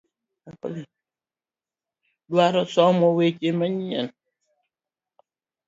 Adwaro somo weche manyien.